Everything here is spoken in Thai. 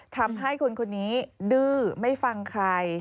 ทำให้คนคนนี้ดื้อไม่ฟังใคร